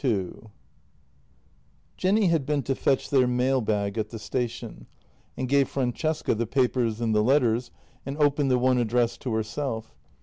II J ENNY had been to fetch their mail bag at the station; and gave Francesca the papers and the letters, and opened the one addressed to herself.